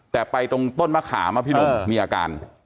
แต่ไปตรงต้นมะขามอะพี่หนุ่มมีอาการ